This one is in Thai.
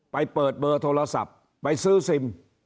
ไปเปิดเบอร์โทรศัพท์ไปซื้อซิม